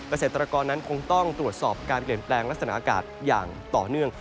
เกษตรกรนั้นคงต้องตรวจสอบการเปลี่ยนแปลงลักษณะอากาศอย่างต่อเนื่อง